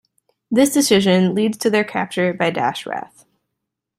This decision leads to their capture by Dashrath.